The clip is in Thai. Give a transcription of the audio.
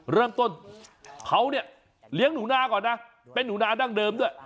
เริ่มต้นเขาเนี่ยเลี้ยงหนูนาก่อนนะเป็นหนูนาดั้งเดิมด้วย